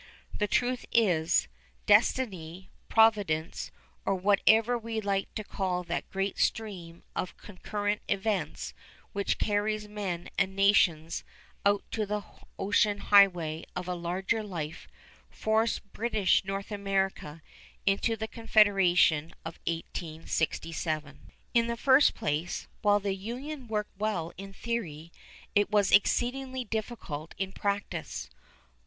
The truth is, Destiny, Providence, or whatever we like to call that great stream of concurrent events which carries men and nations out to the ocean highway of a larger life, forced British North America into the Confederation of 1867. In the first place, while the Union worked well in theory, it was exceedingly difficult in practice.